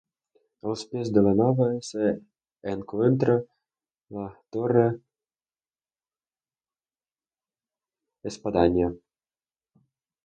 A los pies de la Nave se encuentra la Torre-espadaña.